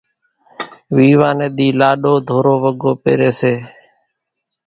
ويوا نيَ ۮِي لاڏو ڌورو وڳو پيريَ سي۔